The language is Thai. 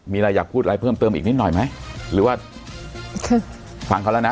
มีอะไรอยากพูดอะไรเพิ่มเติมอีกนิดหน่อยไหมหรือว่าคือฟังเขาแล้วนะ